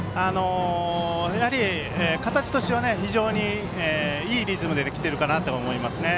形としては非常にいいリズムできてるかなと思います。